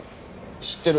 知ってる。